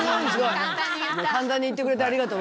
簡単に言ってくれてありがとう。